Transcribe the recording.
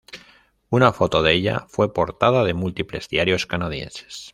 Una foto de ella fue portada de múltiples diarios canadienses.